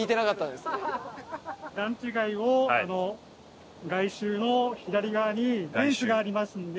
団地街を外周の左側にフェンスがありますんで。